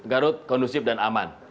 garut kondusif dan aman